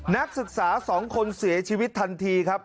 นักศึกษา๒คนเสียชีวิตทันทีครับ